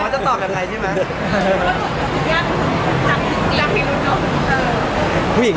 ไม่ได้เจอในคุณหรอก